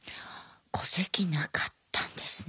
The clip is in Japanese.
戸籍なかったんですね。